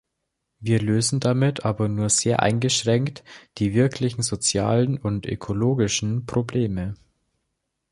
Wir lösen damit aber nur sehr eingeschränkt die wirklichen sozialen und ökologischen Probleme.